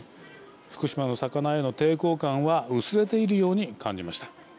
福島の魚への抵抗感は薄れているように感じました。